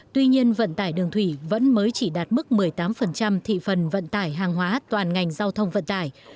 tuy nhiên vận tải đường thủy vẫn mới chỉ đạt mức một mươi tám thị phần vận tải hàng hóa toàn ngành giao thông vận tải